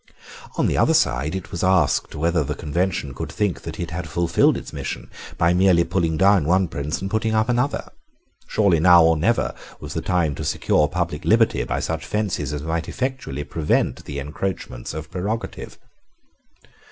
On the other side it was asked whether the Convention could think that it had fulfilled its mission by merely pulling down one prince and putting up another. Surely now or never was the time to secure public liberty by such fences as might effectually prevent the encroachments of prerogative.